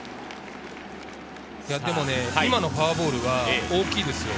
でも今のフォアボールは大きいですよ。